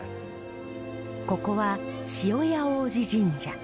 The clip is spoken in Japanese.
ここは塩屋王子神社。